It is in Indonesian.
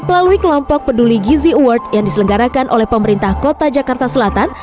melalui kelompok peduli gizi award yang diselenggarakan oleh pemerintah kota jakarta selatan